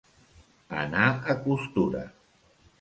Anar a costura.